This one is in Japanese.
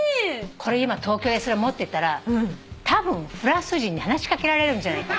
今東京でそれ持ってたらたぶんフランス人に話し掛けられるんじゃないか。